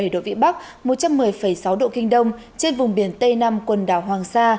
một mươi độ vĩ bắc một trăm một mươi sáu độ kinh đông trên vùng biển tây nam quần đảo hoàng sa